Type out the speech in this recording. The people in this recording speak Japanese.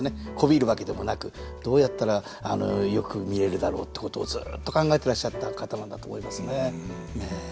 媚びるわけでもなくどうやったらよく見えるだろうってことをずっと考えてらっしゃった方なんだと思いますね。